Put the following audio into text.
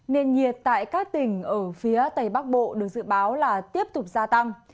nền nhiệt tại các tỉnh ở phía tây bắc bộ được dự báo là tiếp tục gia tăng